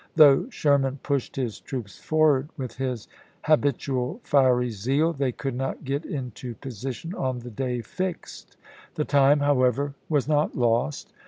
Though Sher man pushed his troops forward with his habit ual fiery zeal, they could not get into position on the day fixed. The time, however, was not lost.